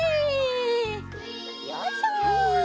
よいしょ。